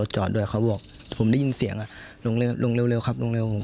จอดให้สนิทแบบนี้ครับ